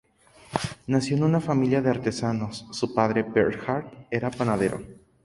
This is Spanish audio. Nació en una familia de artesanos: su padre Bernhard era panadero.